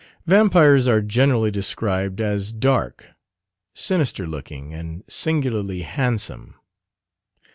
Vampires are generally described as dark, sinister looking, and singularly handsome.